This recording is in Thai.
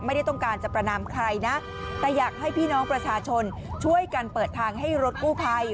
ไม่ได้ต้องการจะประนามใครนะแต่อยากให้พี่น้องประชาชนช่วยกันเปิดทางให้รถกู้ภัย